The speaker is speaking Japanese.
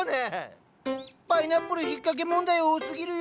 パイナップルひっかけ問題多すぎるよ！